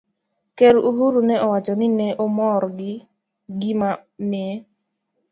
Ker Uhuru ne owacho ni ne omor gi gima ne